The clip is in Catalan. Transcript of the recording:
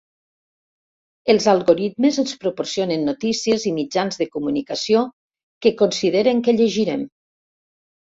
Els algoritmes ens proporcionen notícies i mitjans de comunicació que consideren que llegirem.